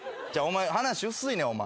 話薄いねんお前。